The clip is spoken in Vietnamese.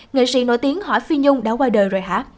nghệ sĩ nổi tiếng hỏi phi nhung đã qua đời rồi hả